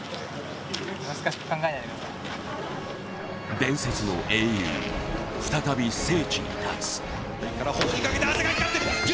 伝説の英雄、再び聖地に立つ。